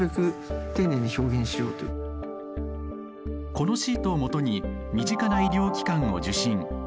このシートをもとに身近な医療機関を受診。